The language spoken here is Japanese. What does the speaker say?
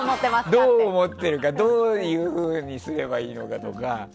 どう思ってるかどういうふうにすればいいのか